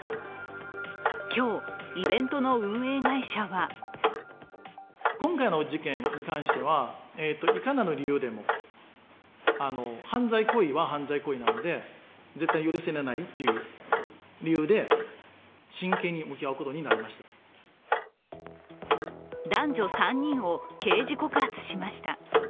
今日、イベントの運営会社は男女３人を刑事告発しました。